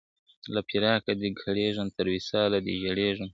له فراقه دي کړیږم، تر وصاله دي ژړیږم